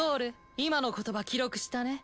今の言葉記録したね。